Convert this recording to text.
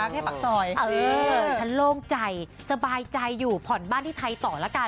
วันนี้เค้าลงใจสบายใจอยู่ผ่อนบ้านที่ไทยต่อละกัน